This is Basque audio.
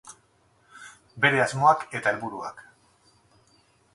Bere asmoak eta helburuak.